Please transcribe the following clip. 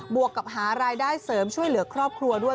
วกกับหารายได้เสริมช่วยเหลือครอบครัวด้วย